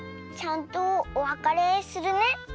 ちゃんとおわかれするね。